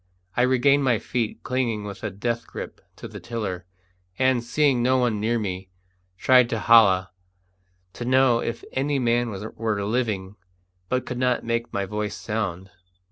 I regained my feet, clinging with a death grip to the tiller, and, seeing no one near me, tried to holloa, to know if any man were living, but could not make my voice sound.